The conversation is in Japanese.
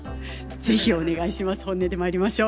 是非お願いします。